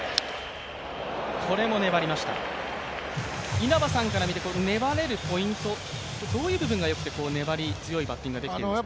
稲葉さんから見て、粘れるポイント、どういう部分がよくて粘り強いバッティングができているんですか？